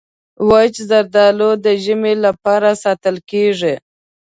وچ زردالو د ژمي لپاره ساتل کېږي.